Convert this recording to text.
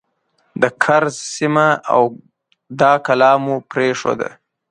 د کرز سیمه او دا کلا مو پرېښوده.